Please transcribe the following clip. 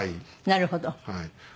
なるほど。